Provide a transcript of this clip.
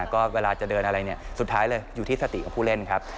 ก็เวลาจะเดินอะไรเนี่ยสุดท้ายเลยอยู่ที่สติของผู้เล่นครับ